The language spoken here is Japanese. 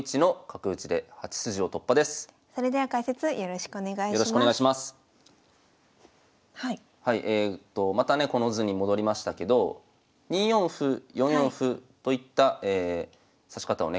はいえとまたねこの図に戻りましたけど２四歩４四歩といった指し方をね